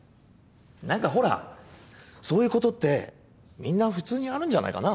なんかほらそういう事ってみんな普通にあるんじゃないかな？